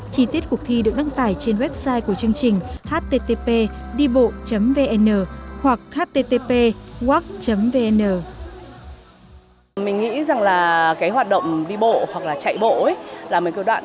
chi tiết cuộc thi được đăng tải trên website của chương trình http dibo vn hoặc http walk vn